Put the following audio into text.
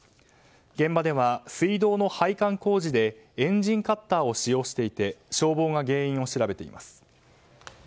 現場では水道の配管工事でエンジンカッターを使用していて消防が原因を調べています。